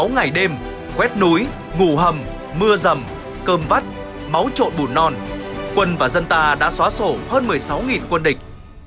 sáu ngày đêm khuét núi ngủ hầm mưa rầm cơm vắt máu trộn bùn non quân và dân ta đã xóa sổ hơn một mươi sáu quân địch